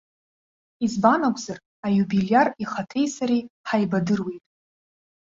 Избан акәзар, аиубилиар ихаҭеи сареи ҳаибадыруеит.